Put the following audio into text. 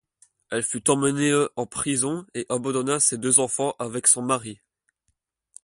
Elle fut emmenée en prison et abandonna ses deux enfants avec son mari.